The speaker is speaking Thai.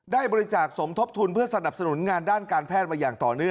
ได้บริจาคสมทบทุนเพื่อสนับสนุนงานด้านการแพทย์